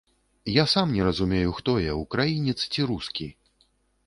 Я сам не разумею, хто я, украінец ці рускі.